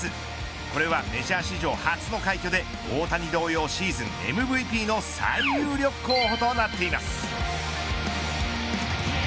これはメジャー史上初の快挙で大谷同様、シーズンＭＶＰの最有力候補となっています。